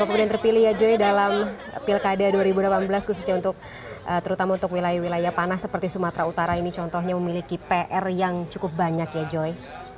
kalau kemudian terpilih ya joy dalam pilkada dua ribu delapan belas khususnya untuk terutama untuk wilayah wilayah panas seperti sumatera utara ini contohnya memiliki pr yang cukup banyak ya joy